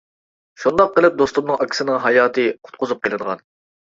شۇنداق قىلىپ دوستۇمنىڭ ئاكىسىنىڭ ھاياتى قۇتقۇزۇپ قىلىنغان.